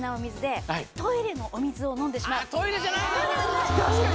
トイレじゃない。